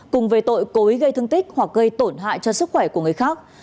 cùng về tội cố ý gây thương tích hoặc gây tổn hại cho sức khỏe của người khác